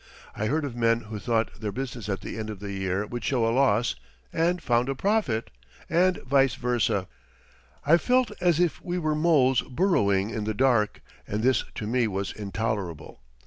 I heard of men who thought their business at the end of the year would show a loss and had found a profit, and vice versa. I felt as if we were moles burrowing in the dark, and this to me was intolerable.